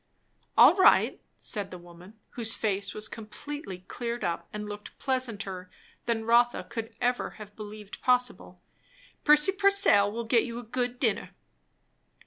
"All right," said the woman, whose face was completely cleared up and looked pleasanter than Rotha could ever have believed possible. "Prissy Purcell will get you a good dinner."